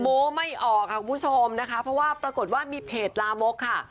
โม้ไม่ออกค่ะคุณผู้ชมนะคะเพราะว่าปรากฏว่ามีเพจลามกค่ะ